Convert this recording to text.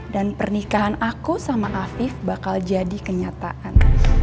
dan pernikahan aku sama afif bakal jadi kenyataan